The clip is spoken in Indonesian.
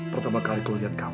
pertama kali kulihat kamu